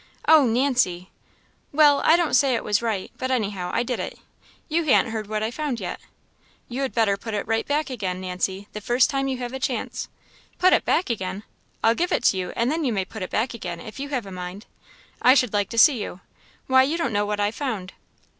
"Oh, Nancy!" "Well I don't say it was right but, anyhow, I did it; you han't heard what I found yet." "You had better put it right back again, Nancy, the first time you have a chance." "Put it back again! I'll give it to you, and then you may put it back again, if you have a mind. I should like to see you! Why, you don't know what I found."